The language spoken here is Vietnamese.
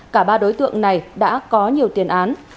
cả ba đối tượng này đã có nhiều tiền án